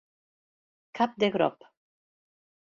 Cap de grop.